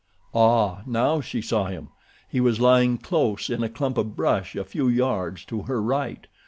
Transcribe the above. Ah! Now she saw him. He was lying close in a clump of brush a few yards to her right.